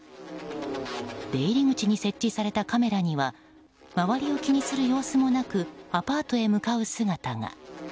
出入り口に設置されたカメラには周りを気にする様子もなくアパートへ向かう姿が。